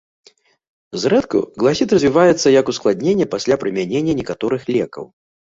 Зрэдку гласіт развіваецца як ускладненне пасля прымянення некаторых лекаў.